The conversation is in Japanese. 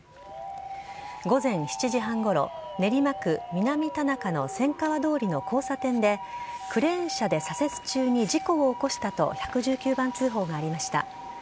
午前７時半ごろ、練馬区南田中の千川通りの交差点で、クレーン車で左折中に事故を起こしたと１１９番通報がありました。